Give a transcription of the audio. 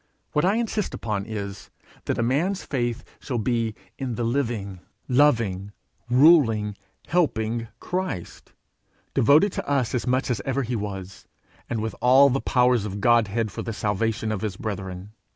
What I insist upon is, that a man's faith shall be in the living, loving, ruling, helping Christ, devoted to us as much as ever he was, and with all the powers of the Godhead for the salvation of his brethren.